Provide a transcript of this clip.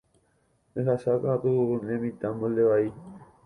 Ehasákatu ne mitã molde vai.